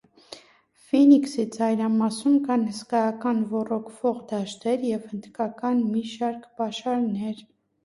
Ֆինիքսի ծայրամասում կան հսկայական ոռոգվող դաշտեր և հնդկական մի շարք պաշարներ։